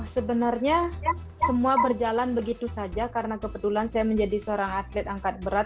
sebenarnya semua berjalan begitu saja karena kebetulan saya menjadi seorang atlet angkat berat